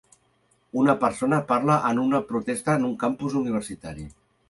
Una persona parla en una protesta en un campus universitari.